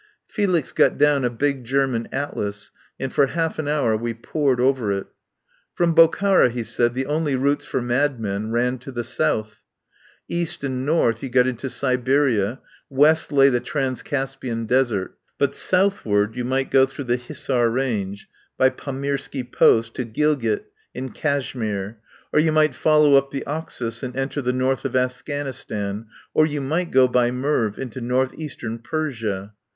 Felix got down a big German atlas, and for half an hour we pored over it. From Bok hara, he said, the only routes for madmen ran to the south. East and north you got into Siberia; west lay the Transcaspian desert; but southward you might go through the Hissar range by Pamirski Post to Gilgit and Kash mir, or you might follow up the Oxus and enter the north of Afghanistan, or you might go by Merv into north eastern Persia.